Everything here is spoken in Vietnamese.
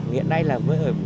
hiện nay là mới ở